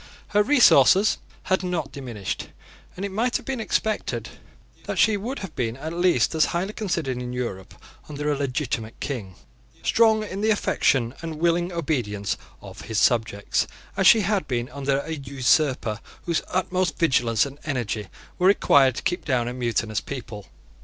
Her resources had not diminished; and it might have been expected that she would have been at least as highly considered in Europe under a legitimate King, strong in the affection and willing obedience of his subjects, as she had been under an usurper whose utmost vigilance and energy were required to keep down a mutinous people.